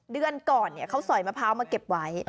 เดือนก่อนเขาสอยมะพร้าวมาเก็บไว้